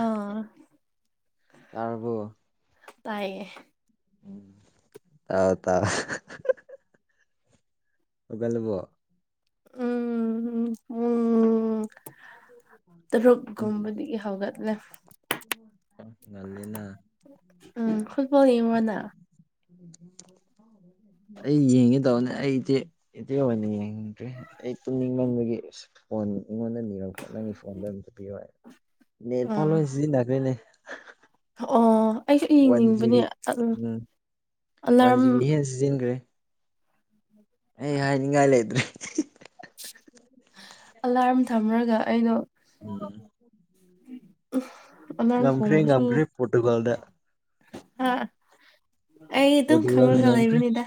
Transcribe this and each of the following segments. ꯑꯥ ꯇꯥꯔꯕꫭ ꯇꯥꯏꯌ‌ꯦ ꯎꯝ ꯇꯥꯎ ꯇ [unintelligible] ꯍꯧꯒꯠꯂꯕꫭ ꯎꯝ ꯎꯝ ꯎꯝ ꯎꯝ ꯇꯔꯣꯒꯝꯝꯕꯗꯒꯤꯗꯒꯤ ꯍꯧꯒꯠꯂ‌ꯦ ꯉꯜꯂꯤꯅ ꯎꯝ ꯐꯨꯠꯕꯣꯜ ꯌꯦꯡꯔꯥ ꯅꯪ [unintelligible] ꯑꯩ ꯌꯦꯡꯉꯦ ꯇꯧꯅꯦ ꯑꯩ ꯏꯆꯦ ꯏꯆꯦ ꯑꯣꯏꯅ ꯌꯦꯡꯗ꯭ꯔꯦ ꯑꯩ ꯄꯨꯛꯅꯤꯡ ꯂꯟꯕꯒꯤ ꯐꯣꯟ ꯑꯩꯉꯣꯟꯗ ꯅꯤꯔꯛꯄ ꯅꯪꯒꯤ ꯐꯣꯟꯗ ꯑꯗꯨꯝ ꯆꯄꯤꯔꯣ ꯅꯦꯠ ꯄꯥꯎ ꯎꯝ ꯂꯣꯏ ꯁꯤꯖꯤꯟꯅꯈ꯭ꯦꯅꯦ ꯑꯣ ꯑꯩꯁꯨ ꯌꯦꯡꯅꯤꯡꯕꯅꯦ ꯖꯤꯕꯤ ꯎꯝ ꯋꯥꯟ ꯑꯂꯥꯔꯝ ꯖꯤꯕꯤ ꯍꯦꯟꯅ ꯁꯤꯖꯤꯟꯈ꯭ꯔꯦ ꯑꯩ ꯍꯥꯏꯅꯤꯡꯉꯥꯏ ꯂꯩꯇ꯭ꯔꯦ ꯑꯂꯥꯔꯝ ꯊꯝꯂꯒ ꯑꯩꯅꯣ ꯎꯝ ꯑꯂꯥꯔꯝ ꯉꯝꯈ꯭ꯔꯦ ꯉꯝꯈ꯭ꯔꯦ ꯄꯣꯔꯇꯨꯒꯥꯜꯗ ꯑꯥ ꯑꯩ ꯑꯗꯨꯝ ꯄꯣꯔꯇꯨꯒꯥꯜꯅ ꯈꯪꯉꯨꯔꯒ ꯉꯝꯈ꯭ꯔꯦ ꯂꯩꯕꯅꯤꯗ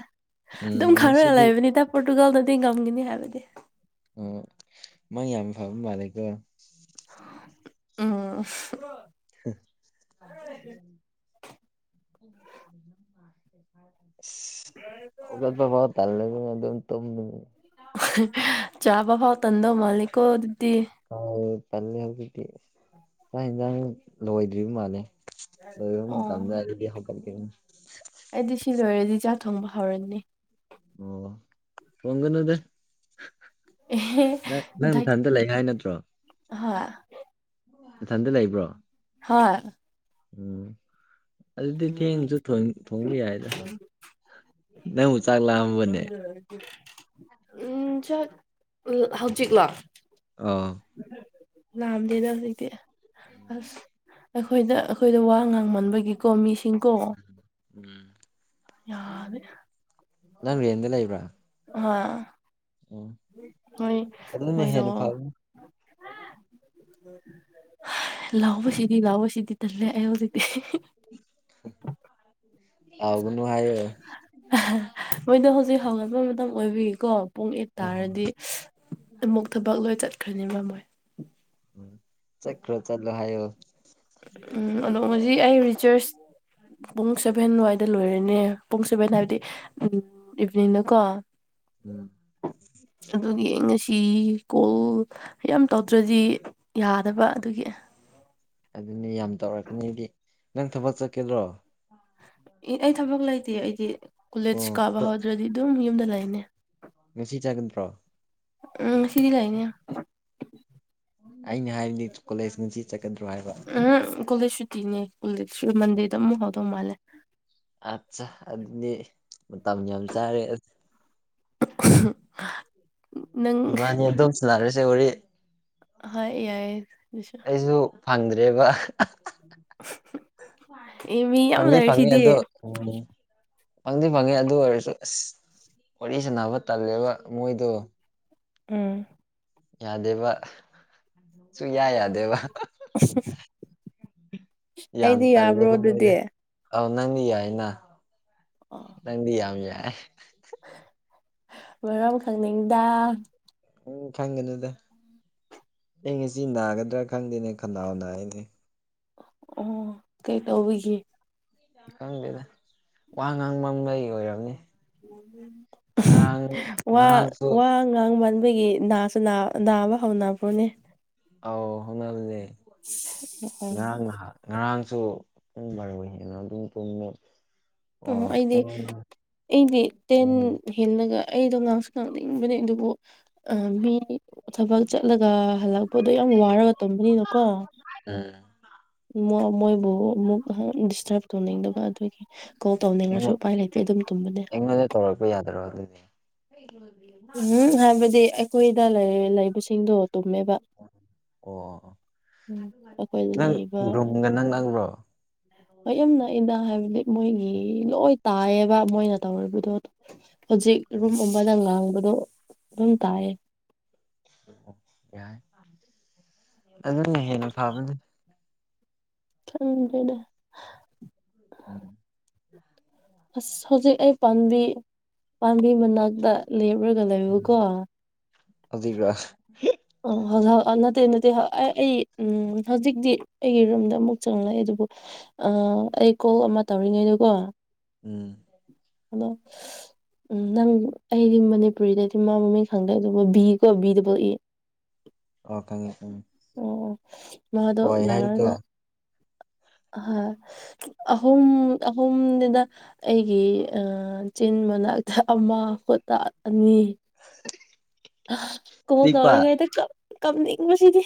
ꯎꯝ ꯑꯗꯨꯝ ꯈꯪꯉꯒ ꯉꯁꯤꯗꯤ ꯂꯩꯕꯅꯤꯗ ꯄꯣꯔꯇꯨꯒꯜꯗꯗꯤ ꯉꯝꯒꯅꯤ ꯍꯥꯏꯕꯗꯤ ꯑꯣ ꯃꯪ ꯌꯥꯝ ꯐꯕ ꯃꯥꯂꯦꯀꯣ ꯎꯝ ꯎꯝ ꯑꯣꯒꯄꯥꯎꯜꯂ ꯑꯗꯨ ꯇ ꯆꯥꯕ ꯐꯥꯎ ꯇꯗꯣ ꯃꯥꯂꯤꯀꯣ ꯑꯗꯨꯗꯤ ꯄꯜꯂꯦ ꯍꯧꯖꯤꯛꯇꯤ ꯆꯥꯛ ꯌꯦꯟꯁꯥꯡ ꯂꯣꯏꯗ꯭ꯔꯤꯕ ꯃꯥꯜꯂꯦ ꯑꯗꯨ ꯑꯣ ꯀꯥꯟꯗꯗꯤ ꯍ ꯀꯜ ꯀꯝ ꯑꯩꯗꯤ ꯁꯤ ꯂꯣꯏꯔꯗꯤ ꯆꯥꯛ ꯊꯣꯡꯕ ꯍꯧꯔꯅꯤ ꯑꯣ ꯐꯒꯅꯗ ꯑꯦꯍꯦ ꯅꯪ ꯅꯪ ꯃꯊꯟꯇ ꯂꯩ ꯍꯥꯏ ꯅꯠꯇ꯭ꯔꯣ ꯍꯥ [unintelligible] [inaudible] ꯏꯊꯟꯗ ꯂꯩꯕ꯭ꯔꯣ ꯍꯥ [unintelligible] [inaudible] ꯎꯝ ꯑꯗꯨꯗꯤ ꯊꯦꯡꯁꯨ ꯊꯣꯡꯕ ꯌꯥꯏꯗ ꯅ ꯎ [unintelligible] [inaudible] ꯍ ꯑꯗꯨ [unintelligible] [inaudible] ꯎ [unintelligible] [inaudible] ꯎ ꯍꯧꯖꯤꯛꯂꯣ ꯑꯧ ꯂꯝ ꯂꯩꯗ ꯍꯧꯖꯤꯛꯇꯤ ꯑꯁ ꯑꯩꯈꯣꯏꯗ ꯑꯩꯈꯣꯏꯗ ꯋꯥ ꯉꯥꯡꯃꯟꯕꯒꯤꯀꯣ ꯃꯤꯁ ꯎꯝ [unintelligible] [inaudible] ꯌꯥꯗꯦ ꯅꯪꯔꯤ ꯌꯦꯟꯂ ꯏꯕ꯭ꯔꯥ ꯑ ꯃꯣꯏ ꯑꯗꯨꯅ ꯃꯣꯏꯗꯣ ꯍꯦꯟꯅ ꯐꯕꯅꯤ ꯂꯥꯎꯕꯁꯤꯗꯤ ꯂꯥꯎꯕꯁꯤꯗꯤ ꯇꯜꯂꯦ ꯑꯩ ꯍꯧꯖꯤꯛꯇꯤ [unintelligible] [inaudible] ꯁꯥꯎꯒꯅꯨ ꯍꯥꯏꯌꯣ ꯃꯣꯏꯗꯣ ꯍꯧꯖꯤꯛ ꯍꯧꯒꯠꯄ ꯃꯇꯝ ꯑꯣꯏꯕꯤꯀꯣ ꯄꯨꯡ ꯑꯦꯠ ꯑꯣ ꯇꯥꯔꯗꯤ ꯑꯃꯨꯛ ꯊꯕꯛ ꯂꯣꯏ ꯆꯠꯈ꯭ꯔꯅꯤ ꯃꯣꯏ ꯆꯀ꯭ꯔꯣ ꯆꯠꯂꯣ ꯍꯥꯏꯣ ꯎꯝ ꯑꯗꯣ ꯉꯖꯤ ꯑꯩ ꯔꯤꯆꯥꯔꯖ ꯄꯨꯡ ꯁꯦꯚꯦꯟ ꯋꯥꯏ ꯗ ꯂꯣꯏꯔꯦꯅꯦ ꯄꯨꯡ ꯁꯨꯕꯅ ꯍꯥꯏꯕꯗꯤ ꯎꯝ ꯏꯚꯤꯅꯤꯡꯅ ꯀꯣ ꯎꯝ ꯇꯤ ꯀꯣꯜ ꯌꯥꯝ ꯇꯧꯗ꯭ꯔꯗꯤ ꯌꯥꯗꯕ ꯑꯗꯨꯒꯤ ꯑꯗꯨꯅꯤ ꯌꯥꯝ ꯇꯧꯔꯛꯀꯅꯤꯗꯤ ꯅꯪ ꯊꯕꯛ ꯆꯠꯀꯦꯗ꯭ꯔꯣ ꯑꯩ ꯊꯕꯛ ꯂꯩꯇꯦ ꯑꯩꯗꯤ ꯀꯣꯂꯦꯖ ꯑꯣ ꯀꯥꯕ ꯑꯗꯣ ꯍꯧꯗ꯭ꯔꯗꯤ ꯑꯗꯨꯝ ꯌꯨꯝꯗ ꯂꯩꯅꯦ ꯉꯁꯤ ꯆꯥꯒꯗ꯭ꯔꯣ ꯎꯝ ꯉꯁꯤꯗꯤ ꯂꯥꯏꯅꯤ ꯑꯩꯅ ꯍꯥꯏꯔꯤꯗꯤ ꯀꯣꯂꯦꯖ ꯉꯁꯤ ꯆꯠꯀꯗ꯭ꯔꯣ ꯍꯥꯏꯕ ꯀꯣꯂꯦ ꯁꯨꯇꯤꯅꯦ ꯀ ꯃꯟꯦꯗ ꯑꯃꯝ ꯍꯧꯥꯎꯗꯧ ꯃꯥꯜꯂꯦ ꯑꯠꯆꯥ ꯑꯗꯨꯗꯤ ꯃꯇꯝ ꯌꯥꯝ ꯆꯥꯔꯦ [unintelligible] [inaudible] ꯏꯃ ꯑꯦꯨꯝ ꯆ ꯂꯥꯔꯁꯦ ꯋꯥꯔꯤ ꯍ ꯌꯥꯏ ꯑꯗꯨꯁꯨ ꯑꯩꯁꯨ ꯐꯪꯗ꯭ꯔꯦꯕ ꯑꯦ ꯃꯤ ꯌꯥꯝ ꯐꯪꯅꯤ ꯐꯪꯅꯤ ꯂꯩꯔꯤꯁꯤꯗꯤ ꯑꯗꯨ ꯐꯪꯗꯤ ꯐꯪꯉꯤ ꯑꯗꯨ ꯑꯣꯏꯔꯁꯨ ꯑꯁ ꯋꯥꯔꯤ ꯁꯅꯕ ꯇꯜꯂꯦꯕ ꯃꯣꯏꯗꯣ ꯎꯝ ꯌꯥꯗꯦꯕ ꯁꯨ ꯌꯥ ꯌꯥꯗꯦꯕ ꯌꯥꯝ ꯑꯩꯗꯤ ꯇꯜꯂꯦ ꯌꯥꯕ꯭ꯔꯣ ꯃꯃꯣꯏꯗ ꯑꯗꯨꯗꯤ ꯑꯥꯎ ꯅꯪꯗꯤ ꯌꯥꯏꯅ ꯑꯣ ꯅꯪꯗꯤ ꯌꯥꯝ ꯌꯥꯏ ꯃꯔꯝ ꯈꯛꯅꯤꯡꯗ ꯎꯝ ꯈꯪꯒꯅꯤꯗ ꯑꯩ ꯉꯁꯤ ꯅꯥꯒꯗ꯭ꯔꯥ ꯈꯪꯗꯦꯅꯦ ꯈꯅꯥꯎ ꯅꯥꯏꯅꯦ ꯑꯣ ꯀꯩ ꯇꯧꯕꯤꯒꯦ ꯈꯪꯗꯦꯗ ꯋꯥ ꯉꯥꯡꯕ ꯑꯃ ꯂꯩ ꯑꯣꯏꯔꯝꯅꯤ ꯉꯔꯥꯡ ꯋꯥ ꯉꯔꯥꯡꯁꯨ ꯋꯥ ꯃ ꯑꯩꯈꯣꯏꯒꯤ ꯅꯥꯁꯨ ꯅꯥꯕ ꯍꯧꯅꯕ꯭ꯔꯣꯅꯦ ꯑꯥꯎ ꯍꯣꯅꯜꯅꯦ ꯉꯔꯥꯡꯍ ꯉꯔꯥꯡ ꯡꯔ ꯑꯣꯏ ꯍꯅ ꯑꯗꯨ ꯑꯣ ꯑꯩꯗꯤ ꯑꯩꯗꯤ ꯇꯦꯟ ꯎꯝ ꯍꯦꯜꯂꯒ ꯑꯩꯗꯣ ꯉꯥꯡꯁꯨ ꯉꯥꯡꯅꯤꯡꯕꯅꯦ ꯑꯗꯨꯕꯨ ꯃꯤ ꯊꯕꯛ ꯆꯠꯂꯒ ꯍꯜꯂꯛꯄꯗꯣ ꯌꯥꯝ ꯋꯥꯔꯒ ꯇꯝꯕꯅꯤꯅꯀꯣ ꯎꯝ ꯃꯣꯏꯕꯨ ꯑꯃꯨꯛ ꯗꯤꯁꯇꯔꯕ ꯇꯧꯅꯤꯡꯗꯕ ꯑꯗꯨꯒꯤ ꯀꯣꯜ ꯇꯧꯅꯤꯡꯉꯁꯨ ꯑꯩꯉꯣꯟ ꯎꯄꯥꯏ ꯂꯩꯇꯦ ꯑꯗꯨꯝ ꯇꯨꯝꯕꯅꯦ ꯑꯩꯉꯣꯟꯗ ꯇꯧꯔꯛꯄ ꯌꯥꯗ꯭ꯔꯣ ꯑꯗꯨꯗꯤ ꯎꯝ ꯍꯥꯏꯕꯗꯤ ꯑꯩꯈꯣꯏꯗ ꯂꯩꯕꯁꯤꯡꯗꯣ ꯇꯨꯝꯃꯦꯕ ꯑꯣ ꯑꯣ ꯎ ꯑꯩꯈꯣꯏꯗ ꯅꯪ ꯂꯩꯕ ꯔꯨꯝꯒ ꯅꯛꯅꯕ꯭ꯔꯣ ꯃꯨꯝ ꯅꯥꯏꯟꯗ ꯍꯥꯏꯕꯗꯤ ꯃꯣꯏꯒꯤ ꯂꯣꯏ ꯇꯥꯏꯌꯦꯕ ꯃꯣꯏꯅ ꯇꯧꯔꯤꯕꯗꯣ ꯍꯧꯖꯤꯛ ꯔꯨꯝ ꯑꯃꯕꯗ ꯉꯥꯡꯕ ꯁꯝ ꯇꯌꯦ ꯌꯥ ꯑꯗꯨꯅ ꯍꯦꯟꯅ ꯐꯕꯅꯤ ꯎ ꯀꯗ ꯎꯝ ꯑꯁ ꯍꯧꯖꯤꯛ ꯑꯩ ꯄꯥꯝꯕꯤ ꯄꯥꯝꯕꯤ ꯃꯅꯥꯛꯇ ꯂꯩ ꯄꯨꯔꯒꯂꯕꯨ ꯀꯣ ꯑꯗꯨꯖꯤꯒ꯭ꯔꯥ ꯑꯣ ꯍꯧꯖꯤ ꯅꯠꯇꯦ ꯅꯠꯇꯦ ꯑꯩ ꯑꯩ ꯎꯝ ꯍꯧꯖꯤꯛꯇꯤ ꯑꯩꯒꯤ ꯔꯨꯝꯗ ꯑꯃꯨꯛ ꯆꯪꯂꯛꯑꯦ ꯑꯗꯨ ꯑꯩ ꯀꯣꯜ ꯑꯃ ꯇꯧꯔꯤꯉꯩꯗꯨꯀꯣ ꯎꯝ ꯍꯅꯣ ꯎꯝ ꯅꯪ ꯑꯩꯗꯤ ꯃꯅꯤꯄꯨꯔꯤꯗꯗꯤ ꯃꯥ ꯃꯃꯤꯡ ꯈꯪꯗꯦ ꯑꯗꯨꯕꯨ ꯕꯤ ꯀꯣ ꯕꯤꯗꯨꯕꯨꯥꯎ ꯏ ꯑꯣ ꯈꯉ ꯎꯝ ꯑꯣ ꯃꯥꯗꯣ ꯂꯥꯛꯔꯒ ꯎ ꯑ ꯑꯍꯨꯝ ꯑꯍꯨꯝꯗꯨꯗ ꯑꯩꯒꯤ ꯆꯤꯟ ꯃꯅꯥ ꯑꯃ ꯀꯣꯇꯥ ꯑꯅꯤ ꯀꯣꯟ ꯆꯤꯛꯄ ꯇꯧꯔꯤꯉꯩꯗ ꯀꯞꯅꯤꯡꯕꯁꯤꯗꯤ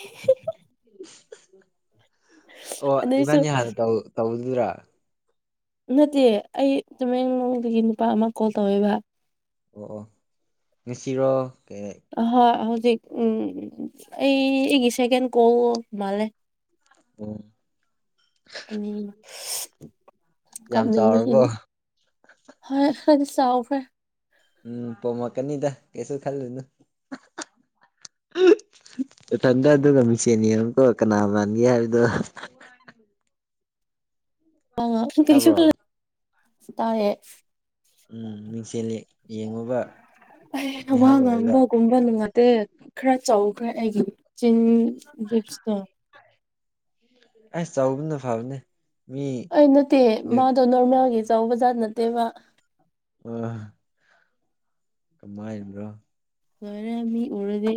ꯑꯣ ꯑꯗꯩꯁꯨ ꯏꯕꯥꯅꯤ ꯍꯥꯟꯅ ꯇꯧꯗꯨꯗ꯭ꯔꯥ ꯅꯠꯇꯦ ꯑꯩ ꯇꯨꯃꯦꯡꯂꯣꯡꯗꯒꯤ ꯅꯨꯄꯥ ꯑꯃ ꯀꯣꯜ ꯇꯧꯋꯦꯕ ꯑꯣ ꯅꯨꯡꯁꯤꯔꯣ ꯍ ꯎꯝ ꯑꯩꯒꯤꯁꯦꯀꯦꯟ ꯀꯣ ꯃꯂꯦ ꯑꯣ ꯀꯝ ꯅꯤꯡꯕꯁꯤ ꯆꯥꯎꯔꯕꯣ ꯍ ꯈꯗꯤ ꯁꯥꯥꯎꯐ ꯍꯥꯏ ꯎꯝ ꯄ ꯃꯀꯅꯤꯗ ꯀꯦꯁꯁꯨ ꯈꯜꯅꯣ ꯏꯊꯟꯗ ꯑꯗꯨꯒ ꯃꯤꯆꯦꯅꯤ ꯑꯃꯨꯀꯣ ꯀꯅꯥ ꯃꯥꯟꯒꯦ ꯍꯥꯏꯕꯗꯣ ꯑ ꯀ꯭ꯔꯤ ꯇꯥꯕ꯭ꯔꯣ ꯇꯥ ꯎꯝ ꯃꯤꯡꯁꯤꯜꯂꯤ ꯌꯦꯡꯉꯨꯕ ꯑꯩ ꯋꯥ ꯉꯥꯏꯍꯥꯛ ꯂꯩꯔꯒ ꯉꯥꯡꯕꯒꯨꯝꯕ ꯅꯨꯡꯉꯗꯦ ꯈꯔ ꯆꯧꯈ ꯑꯦ ꯆꯞꯁꯇ ꯑꯁ ꯆꯥꯎꯕꯅ ꯐꯕꯅꯦ ꯃꯤ ꯑꯩ ꯅꯠꯇꯦ ꯃꯥꯗꯣ ꯅꯣꯔꯃꯦꯜꯒꯤ ꯑ ꯕꯖꯥꯔꯠ ꯅꯠꯇꯦꯕ [unintelligible] ꯀꯃꯟ ꯂꫭꯏꯔꯦ ꯃꯤ ꯎꯔꯗꯤ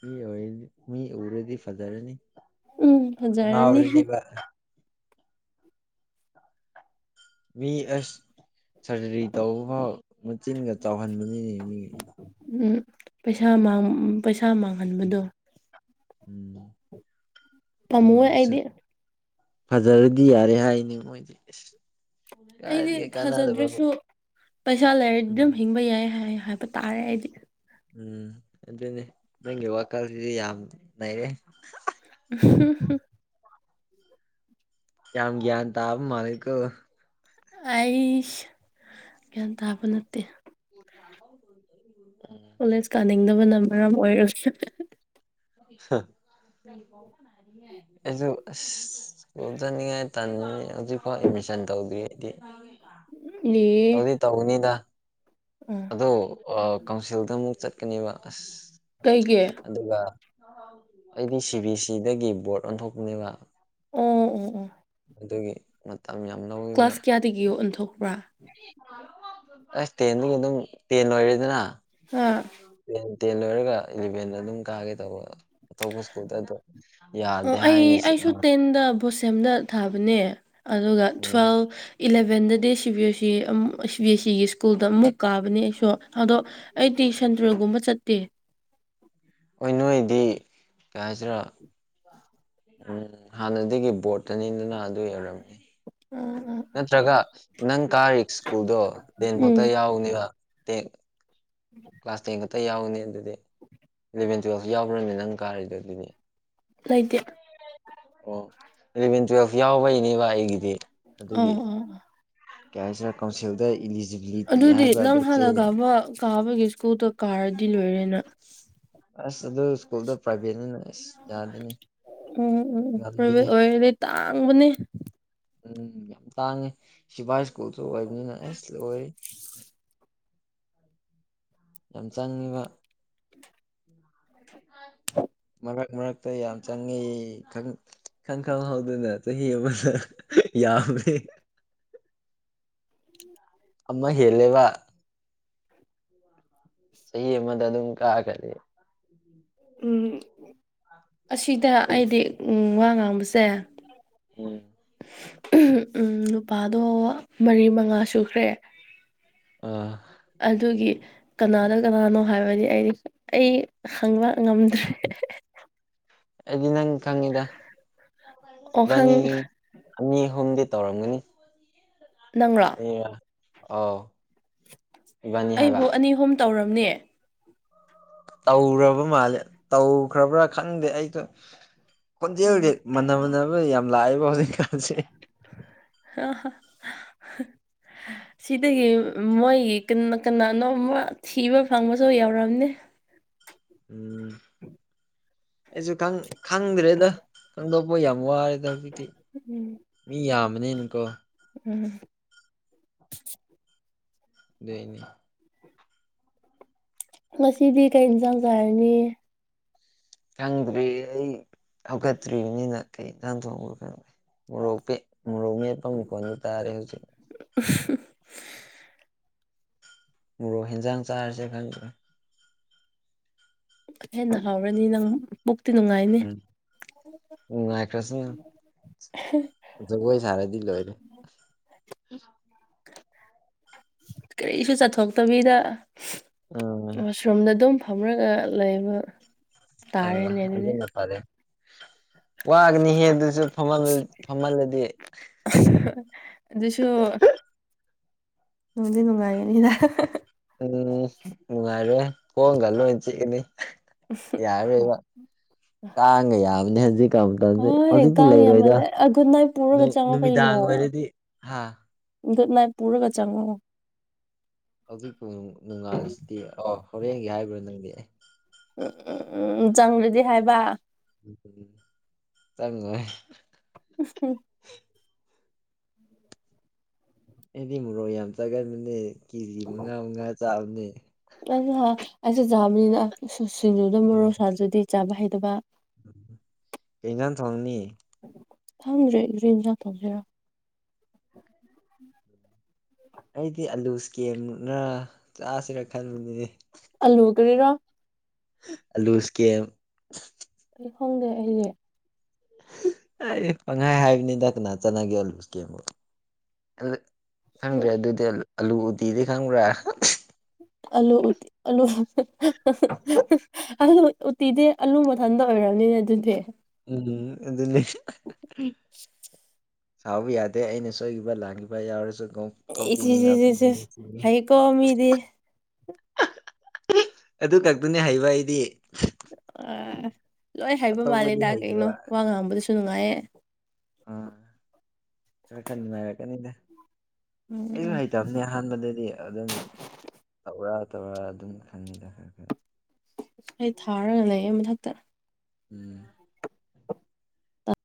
ꯃꯤ ꯑꯣꯏꯔꯗꯤ ꯃꯤ ꯎꯔꯗꯤ ꯐꯖꯔꯅꯤ ꯎꯝ ꯐꯖꯔꯅꯤ ꯉꯥꯎꯔꯅꯤꯕ ꯃꯤ ꯑꯁ ꯁꯔꯖꯔꯤ ꯇꯧꯕ ꯐꯥꯎ ꯃꯆꯤꯟꯒ ꯆꯥꯎꯍꯟꯕꯅꯤꯅꯦ ꯃꯤ ꯎꯝ ꯄꯩꯁꯥ ꯃꯥꯡ ꯎꯝ ꯄꯩꯁꯥ ꯃꯥꯡꯍꯟꯕꯗꯣ ꯎꯝ ꯑꯗꯨ ꯄꯥꯝꯃꯨꯑꯦ ꯑꯣꯏꯔꯁꯨ ꯑꯩꯗꯤ ꯐꯖꯔꯗꯤ ꯌꯥꯔꯦ ꯍꯥꯏꯅꯤ ꯃꯣꯏꯗꯤ ꯏꯁ ꯑꯩꯗꯤ ꯐꯖꯗ꯭ꯔꯁꯨ ꯄꯩꯁꯥ ꯂꯩꯔꯗꯤ ꯑꯗꯨꯝ ꯎꯝ ꯍꯤꯡꯕ ꯌꯥꯏ ꯍꯥꯏꯌꯦ ꯍꯥꯏꯕ ꯇꯥꯔꯦ ꯑꯩꯗꯤ ꯎꯝ ꯑꯗꯨꯅꯤ ꯅꯪꯒꯤ ꯋꯥꯈꯜꯁꯤꯗꯤ ꯌꯥꯝ ꯅꯩꯔꯦ [inaudible] ꯌꯥꯝ ꯒ꯭ꯌꯥꯟ ꯇꯥꯕ ꯃꯥꯜꯂꯤꯀꫭ ꯑꯩꯏꯁ ꯒ꯭ꯌꯥꯟ ꯇꯥꯕ ꯅꯠꯇꯦ [inaudible] ꯀꯣꯂꯦꯖ ꯀꯥꯅꯤꯡꯗꯕꯅ ꯃꯔꯝ ꯑꯣꯏꯔꯒ ꯍ ꯑꯩꯁꯨ ꯑꯁ ꯁ꯭ꯀꯨꯜ ꯆꯠꯅꯤꯉꯥꯏ ꯇꯟꯕꯅꯤ ꯍꯧꯖꯤꯛ ꯐꯥꯎ ꯑꯦ ꯃꯤꯁꯟ ꯇꯧꯗ꯭ꯔꯤ ꯑꯩꯗꯤ ꯅꯦ ꯇꯧꯗꯤ ꯇꯧꯒꯅꯤꯗ ꯑꯣ ꯑꯗꯣ ꯑꯥ ꯀꯥꯎꯟꯁꯤꯜꯗ ꯑꯃꯨꯛ ꯆꯠꯀꯅꯦꯕ ꯑꯁ ꯀꯩꯒꯤ ꯑꯗꯨꯒ ꯑꯩꯗꯤ ꯁꯤ ꯕꯤ ꯑꯦꯁ ꯁꯤꯗꯒꯤ ꯕꯣꯔꯠ ꯑꯣꯟꯊꯣꯛꯄꯅꯦꯕ ꯑꫭ ꯑꫭ ꯑꫭ ꯑꯗꯨꯒꯤ ꯃꯇꯝ ꯌꯥꯝ ꯂꯧꯋꯦꯕ ꯀ꯭ꯂꯥꯁ ꯀꯌꯥꯗꯒꯤꯌꯣ ꯑꫭꯟꯊꫭ ꯑꯁ ꯇꯦꯟꯗꯒꯤ ꯑꯗꯨꯝ ꯇꯦꯟ ꯂꯣꯏꯔꯗꯅ ꯍꯥ ꯇꯦꯟ ꯂꯣꯏꯔꯒ ꯏꯂꯚꯦꯟꯗ ꯑꯗꯨꯝ ꯀꯥꯒꯦ ꯇꯧꯕ ꯑꯇꯣꯞꯄ ꯁ꯭ꯀꯨꯜꯗ ꯑꯗꯣ ꯑꯣ ꯌꯥꯗꯦ ꯑꯩ ꯍꯥꯏꯅꯤꯁꯦ ꯑꯩꯁꯨ ꯇꯦꯟꯗ ꯕꯣꯁꯦꯝꯗ ꯊꯥꯕꯅꯦ ꯑꯗꯨꯒ ꯎꯝ ꯊꯨꯋꯦꯜ ꯏꯂꯕꯦꯟꯗꯗꯤ C B S um C B S ꯁꯤꯒꯤ ꯁ꯭ꯀꯨꯜꯗ ꯑꯃꯨꯛ ꯀꯥꯕꯅꯦ ꯑꯩꯁꯨ ꯑꯗꯣ ꯑꯩꯗꯤ ꯁꯟꯗ꯭ꯔꯒꯨꯝꯕ ꯆꯠꯇꯦ ꯍꯣꯏ ꯅꯣꯏꯗꯤ ꯀꯩ ꯍꯥꯏꯁꯤꯔꯥ ꯎꯝ ꯍꯥꯟꯅꯗꯒꯤ ꯕꯣꯔꯠꯇꯅꯤꯗꯅ ꯑꯗꯨꯏ ꯑꫭꯏꯔꯝꯅꯤ ꯅꯠꯇ꯭ꯔꯒ ꯅꯪ ꯀꯥꯔꯤꯛ ꯁ꯭ꯀꯨꯜꯗꯣ ꯇꯦꯟ ꯎꯝ ꯐꯥꯎꯇ ꯌꯥꯎꯅꯦꯕ ꯀ꯭ꯂꯥꯁ ꯇꯦꯟ ꯈꯛꯇ ꯌꯥꯎꯕꯅꯤ ꯑꯗꯨꯗꯤ ꯏꯂꯚꯦꯟ ꯇꯨꯌꯦꯜꯐ ꯌꯥꯎꯕ꯭ꯔꯅꯤ ꯅꯪ ꯀꯥꯔꯤꯗꯣ ꯑꯗꯨꯗꯤ ꯂꯩꯇꯦ ꯑꯣ ꯏꯂꯚꯦꯟ ꯇꯨꯋꯦꯜꯐ ꯌꯥꯎꯕꯩꯅꯦꯕ ꯑꯩꯒꯤꯗꯤ ꯑꫭ ꯑꯗꯨꯒꯤ ꯑꫭ ꯑꫭ ꯀꯩ ꯍꯥꯏꯁꯤꯔ ꯀꯥꯎꯟꯁꯤꯜꯗ ꯏꯂꯤꯖꯤꯕꯤꯂꯤꯇꯤ ꯑꯗꯨꯗꯤ ꯍꯥꯏꯕ꯭ꯔꯥ ꯅꯪ ꯑꯗꯨ ꯆꯦ ꯍꯥꯟꯅ ꯀꯥꯕ ꯀꯥꯕꯒꯤ ꯁ꯭ꯀꯨꯜꯗꯣ ꯀꯥꯔꯗꯤ ꯂꯣꯏꯔꯦꯅ ꯑꯁ ꯑꯗꯨ ꯁ꯭ꯀꯨꯜꯗꫭ ꯄ꯭ꯔꯥꯏꯚꯦꯠꯅꯤꯅ ꯑꯁ ꯌꯥꯗꯦꯅꯦ ꯎꯝ ꯎꯝ ꯎꯝ ꯄ꯭ꯔꯥꯏꯚꯦꯠ ꯉꯝꯗꯦꯅꯦ ꯑꯣꯏꯔꯗꯤ ꯇꯥꯡꯕꯅꯦ ꯎꯝ ꯌꯥꯝ ꯇꯥꯡꯉꯤ ꯁꯤꯚꯥꯏ ꯁ꯭ꯀꯨꯜꯁꯨ ꯑꯣꯏꯕꯅꯤꯅ ꯏꯁ ꯂꯣꯏ ꯌꯥꯝ ꯆꯪꯉꯤꯕ ꯃꯔꯛ ꯃꯔꯛꯇ ꯌꯥꯝ ꯆꯪꯉꯤ ꯈꯪ ꯏꯈꯪ ꯈꯪꯍꯧꯗꯅ ꯆꯍꯤ ꯑꯃꯗ ꯌꯥꯝꯃꯦ ꯑꯃ ꯍꯦꯜꯂꯦꯕ ꯆꯍꯤ ꯑꯃꯗ ꯑꯗꯨꯝ ꯀꯥꯒ꯭ꯔꯗꯤ ꯎꯝ ꯑꯁꯤꯗ ꯑꯩꯗꯤ ꯎꯝ ꯋꯥ ꯉꯥꯡꯕꯁꯦ ꯎꯝ ꯎꯝ ꯅꯨꯄꯥꯗꯣ ꯃꯔꯤ ꯃꯉꯥ ꯁꯨꯈ꯭ꯔꯦ ꯑ ꯑꯗꯨꯒꯤ ꯀꯅꯥꯗ ꯀꯅꯥꯅꯣ ꯍꯥꯏꯕꯗꯤ ꯑꯩꯗꯤ ꯑꯩ ꯍꯪꯕ ꯉꯝꯗ꯭ꯔꯦ ꯗꯤꯅꯪ ꯋꯥꯈꯪ ꯈꯉꯗꯕꯅꯤꯅꯤ ꯍꯣꯝꯗ ꯇꯧꯔꯝꯒꯅꯤ ꯅꯪꯔꯣ ꯑꯣ ꯑꯥꯎ ꯑꯩꯕꯨ ꯑꯅꯤ ꯑꯍꯨꯝ ꯇꯧꯔꯝꯅꯦ ꯇꯧꯔꯕ ꯃꯥꯜꯂꯦ ꯇꯧꯈ꯭ꯔꯕ꯭ꯔꯥ ꯈꯟꯗꯦ ꯑꯩꯁꯨ ꯈꯣꯟꯖꯦꯜꯖꯤ ꯎꯝ ꯃꯥꯟꯅ ꯃꯅꯕ ꯌꯥꯝ ꯂꯥꯛꯑꯦꯕ ꯍꯧꯖꯤꯛꯀꯥꯟꯁꯦ ꯑ ꯁꯤꯗꯒꯤ ꯃꯣꯏꯒꯤ ꯀꯅꯥꯅꯣ ꯊꯤꯕ ꯐꯪꯕꯁꯨ ꯌꯎꯔꯝꯅꯦ ꯎꯝ ꯑꯩꯁꯨ ꯈꯪꯗ꯭ꯔꯦꯗ ꯈꯪꯗꯣꯛꯄ ꯌꯥꯝ ꯋꯥꯔꯦꯗ ꯍꯧꯖꯤꯛꯇꯤ ꯎꯝ ꯃꯤ ꯌꯥꯝ ꯃꯅꯤꯤꯟꯀꯣ ꯎꯝ ꯗꯅꯤ ꯉꯗꯤ ꯀꯩ ꯌꯦꯟꯁꯥꯡ ꯆꯥꯔꯅꯤ ꯈꯪꯗ꯭ꯔꯤ ꯑꯩ ꯍꯧꯒꯠꯇ꯭ꯔꯤꯕꯅꯤꯅ ꯀꯩ ꯅꯍꯥꯟ ꯊꯣꯡꯕ ꯈꯪꯗ꯭ꯔꯦ ꯃꯣꯔꯣꯛ ꯃꯣꯔꯣꯛ ꯃꯄ ꯃꯤꯈꯣꯟꯗ ꯇꯥꯔꯦ ꯍꯧꯖꯤꯛ [unintelligible] ꯃꯣꯔꯣꯛ ꯍꯦꯟꯖꯥꯡ ꯆꯥꯔꯁꯦ ꯈꯪꯗꯦ ꯍꯦꯟꯅ ꯍꯥꯎ꯭ꯔꯅꯤ ꯅꯪ ꯅꯨꯡꯉꯥꯏꯅꯦ ꯎꯝꯔꯁꯨꯅꯣꯏ ꯁꯔꯦꯂ [unintelligible] ꯀꯔꯤꯁꯨ ꯆꯠꯊꯣꯛꯇꯕꯤꯗ ꯎꯝ ꯋꯥꯁꯔꯨꯝꯗ ꯑꯗꯨꯝ ꯐꯝꯔꯒ ꯂꯩꯕ ꯑꯥ ꯇꯥꯔꯦꯅꯦ ꯑꯗꯨꯗꯤ ꯑꯗꯨꯅ ꯐꯔꯦ ꯋꯥꯒꯅꯤꯍꯦ ꯑꯗꯨꯁꯨ ꯐꯝꯍꯜꯂꯗꯤ ꯑꯗꯨꯁꯨꯣ ꯎꯣꯡꯗꯤ ꯉꯅꯨꯡꯉꯥꯏꯅꯤꯗ ꯎꯝ ꯅꯨꯡꯉꯥꯏꯔꯦ ꯀꯣꯡꯒꯜꯣ ꯏꯆꯤ ꯀꯅꯤ ꯌꯥꯔ ꯀꯥꯡꯒ ꯌꯥꯕꯅꯤ ꯍꯧꯖꯤꯛ ꯀꯇꯁꯦ ꯍꯣꯏ ꯍꯧꯖꯤꯛꯇꯤ ꯀꯥꯡ ꯂꯩꯔꯣꯏꯗ ꯌꯥꯝꯃꯜꯂꯦ ꯒꯨꯗ ꯅꯥꯏꯠ ꯄꯨꯔꯒ ꯆꯪꯉꯣ ꯅꯨꯃꯤꯗꯥꯡ ꯑꯣꯏꯔꯗꯤ ꯍꯥꯥ ꯈꯠ ꯃꯥꯏ ꯄꯨꯔꯒ ꯆꯪꯉꯣ ꯍꯧꯖꯤꯛꯐꯥꯎ ꯅꯣꯡꯉꯥꯜꯂꯤꯁꯤꯗꯤ ꯑ ꯍꯣꯔꯦꯟꯒꯤ ꯍꯥꯏꯕ꯭ꯔꯥ ꯅꯪꯗꯤ ꯎꯝ ꯎꯝ ꯎꯝ ꯆꯪꯗꯗꯤ ꯍꯥꯏꯕ ꯆꯉꯣ ꯑ ꯑꯦꯗꯤ ꯃꯣꯔꯣꯛ ꯌꯥꯝ ꯆꯥꯒꯟꯕꯅꯦ ꯀꯦꯖꯤ ꯃꯉꯥ ꯃꯉꯥ ꯆꯥꯕꯅꯦ ꯑꯩꯁꯨꯦ ꯆꯥꯕꯅꯤꯅ ꯁꯤꯡꯖꯨꯗ ꯃꯔꯣꯔꯣꯛ ꯁꯥꯥꯖꯗꯤ ꯆꯥꯕ ꯍꯩꯇꯕ ꯀꯩꯅꯖꯅ ꯊꯣꯡꯅꯤ ꯈꯪꯗ꯭ꯔꯦ ꯭ꯔꯔꯤꯟꯖꯥꯡ ꯇꯧꯁꯤꯔꯣ ꯑꯩꯗꯤ ꯑꯂꯨ ꯏꯁꯀꯦꯝꯃꯨꯛꯅ ꯆꯥꯁꯤꯔ ꯈꯟꯕꯅꯤꯅꯦ ꯑꯜꯂꯨ ꯀꯔꯤꯔꯣ ꯑꯂꯨꯁꯀꯤꯦ ꯑꯩ ꯈꯣꯡꯗꯦ ꯑꯩꯒꯤ ꯑꯩ ꯄꯪꯍꯥꯏ ꯍꯥꯏꯕꯅꯤ ꯅ ꯀꯅꯥ ꯆꯠꯅꯒꯦꯂꯨꯁ ꯀꯦꯝꯕꯨ ꯈꯪꯗ꯭ꯔꯦ ꯑꯗꯨꯗꯤ ꯑꯂꯨ ꯎꯇꯤꯗꯤ ꯈꯪꯕ꯭ꯔꯥ ꯑꯂꯨ ꯑꯂꯨ ꯎꯇꯤꯗꯤ ꯑꯂꯨ ꯃꯊꯟꯇ ꯑꯣꯏꯔꯕꯅꯤꯅ ꯑꯗꯨꯗꯤ ꯎꯝ ꯑꯗꯨ ꯁꯥꯎꯕ ꯌꯥꯗꯦ ꯑꯩꯅ ꯁꯣꯏꯈꯤꯕ ꯂꯥꯡꯈꯤꯕ ꯌꯥꯎꯔꯁꯨ ꯀꯣꯛ ꯀꯣꯛꯄꯤꯅꯤ ꯏꯆꯁꯤꯁꯤꯆꯦ ꯉꯥꯛꯄꯤꯅꯤ ꯍꯩꯀꯣꯃꯤꯗꯤ ꯑꯗꯨ ꯈꯛꯇꯅꯦ ꯍꯩꯕ ꯑꯩꯗꯤ ꯑ ꯂꯣꯏ ꯍꯥꯏꯕ ꯑꯇꯣꯞꯄꯗꯤ ꯃꯥꯜꯂꯦꯗꯥꯛ ꯀꯩꯅꯣ ꯍꯩꯇꯕ ꯋꯥ ꯉꯥꯡꯕꯗꯁꯨ ꯅꯨꯡꯉꯥꯏꯌꯦ ꯑ ꯈꯔ ꯈꯟꯉꯥꯏꯔꯛ ꯀꯅꯤꯗ ꯎꯝ ꯑꯩꯁꯨ ꯎꯝ ꯍꯩꯇꯕꯅꯦ ꯑꯍꯥꯟꯕꯗꯗꯤ ꯑꯗꯨꯝ ꯇꯧꯔ ꯈ ꯇꯧ ꯑꯗꯨꯝ ꯈꯪꯃꯤꯗꯔ ꯈ ꯑꯩ ꯊꯥꯔꯒ ꯂꯩꯌꯦ ꯃꯊꯛꯇ ꯎꯝ